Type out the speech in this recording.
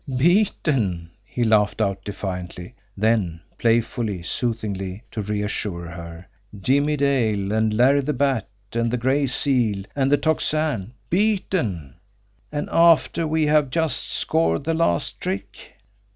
"Beaten!" he laughed out defiantly; then, playfully, soothingly, to reassure her: "Jimmie Dale and Larry the Bat and the Gray Seal and the Tocsin BEATEN! And after we have just scored the last trick!"